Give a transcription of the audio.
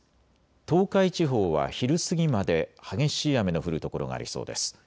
東海地方は昼過ぎまで激しい雨の降る所がありそうです。